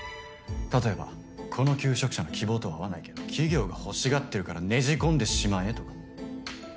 例えばこの求職者の希望とは合わないけど企業が欲しがってるからねじ込んでしまえとか。